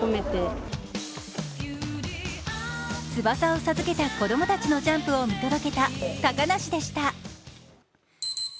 翼を授けた子供たちのジャンプを見届けた高梨でした。